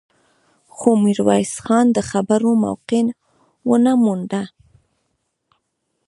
خو ميرويس خان د خبرو موقع ونه مونده.